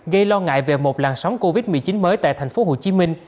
gây lo ngại về một làn sóng covid một mươi chín mới tại tp hcm